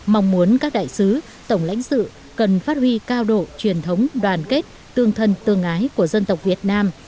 mong muốn các đại sứ tổng lãnh sự cần phát huy cao độ truyền thống đoàn kết tương thân tương ái của dân tộc việt nam